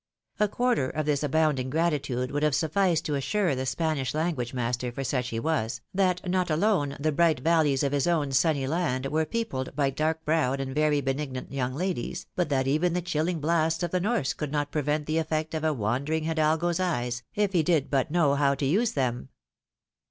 A quarter of this abounding gratitude would have sufficed to assure the Spanish language master, for such he was, that not alone the bright valleys of his own sunny land were peopled by dark browed and very benignant young kdies, but that even the chilling blasts of the north could not prevent the effect of a wondering Hidalgo's eyes, if he did but know how to use them.